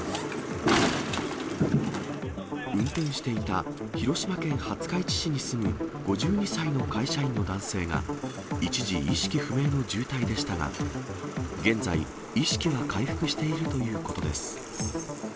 運転していた、広島県廿日市市に住む５２歳の会社員の男性が、一時意識不明の重体でしたが、現在、意識は回復しているということです。